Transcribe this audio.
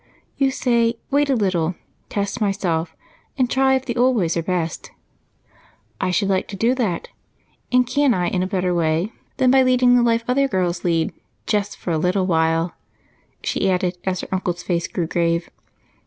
You say, wait a little, test myself, and try if the old ways are best. I should like to do that, and can I in a better way than leading the life other girls lead? Just for a little while," she added, as her uncle's face grew grave.